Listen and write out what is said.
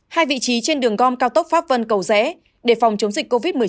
hai vị trí trên đường gom cao tốc pháp vân cầu rẽ để phòng chống dịch covid một mươi chín